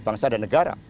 bangsa dan negara